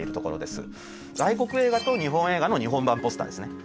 外国映画と日本映画の日本版ポスターですね。